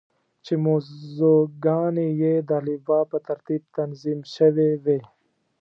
چې موضوع ګانې یې د الفبا په ترتیب تنظیم شوې وې.